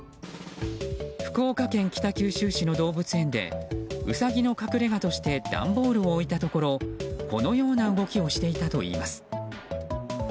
福岡県北九州市の動物園でウサギの隠れ家として段ボールを置いたところこのような動きをしていたといいます。